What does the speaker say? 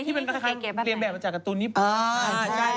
ที่เป็นราคาเรียนแบบมาจากการ์ตูนญี่ปุ่น